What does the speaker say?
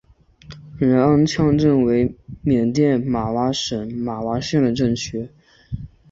仁安羌镇为缅甸马圭省马圭县的镇区。